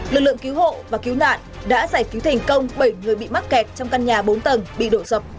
lực lượng cứu hộ và cứu nạn đã giải cứu thành công bảy người bị mắc kẹt trong căn nhà bốn tầng bị đổ sập